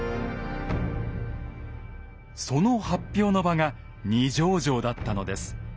その発表の場が二条城だったのです。